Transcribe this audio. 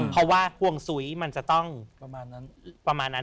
เพราะว่าห่วงซุ้ยมันจะต้องประมาณนั้น